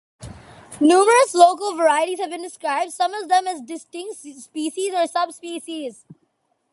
Numerous local varieties have been described, some of them as distinct species or subspecies.